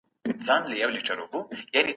چارواکو به د سولي لپاره هڅي کولې.